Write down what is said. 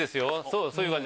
そういう感じ。